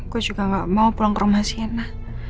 gue juga gak mau pulang ke rumah sienna